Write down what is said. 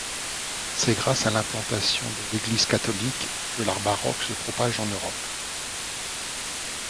C’est grâce à l’implantation de l’Église catholique que l’art baroque se propage en Europe.